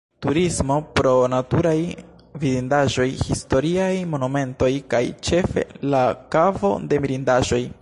Turismo pro naturaj vidindaĵoj, historiaj, monumentoj kaj ĉefe la Kavo de Mirindaĵoj.